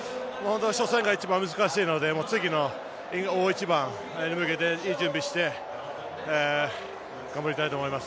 初戦が一番難しいので次の大一番に向けていい準備して頑張りたいと思います。